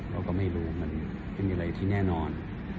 เราก็ไม่รู้มันเป็นอะไรที่แน่นอน